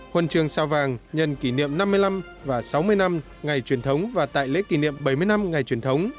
huân trường sao vàng nhân kỷ niệm năm mươi năm và sáu mươi năm ngày truyền thống và tại lễ kỷ niệm bảy mươi năm ngày truyền thống